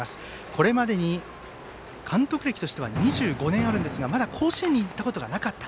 これまで、監督歴としては２５年あるんですがまだ甲子園へ行ったことがなかった。